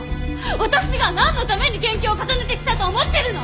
私がなんのために研究を重ねてきたと思ってるの！